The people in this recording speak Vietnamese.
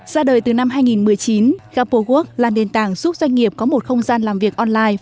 ra đời từ năm hai nghìn một mươi chín gapowork là nền tảng giúp doanh nghiệp có một không gian làm việc online